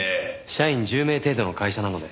社員１０名程度の会社なので。